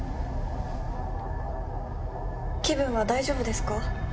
気分は大丈夫ですか？